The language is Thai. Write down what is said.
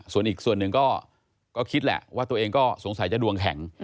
ส่วนอีกส่วนหนึ่งก็คิดแหละว่าตัวเองก็สงสัยจะดวงแข็ง